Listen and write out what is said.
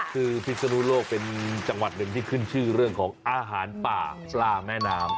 คือพิศนุโลกเป็นจังหวัดหนึ่งที่ขึ้นชื่อเรื่องของอาหารป่าปลาแม่น้ำ